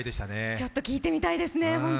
ちょっと聴いてみたいですね。